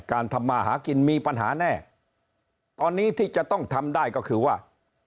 ทำมาหากินมีปัญหาแน่ตอนนี้ที่จะต้องทำได้ก็คือว่า